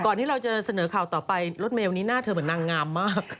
ที่เราจะเสนอข่าวต่อไปรถเมลนี้หน้าเธอเหมือนนางงามมาก